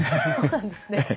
そうなんですね。